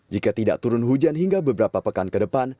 jika tidak turun hujan hingga beberapa pekan ke depan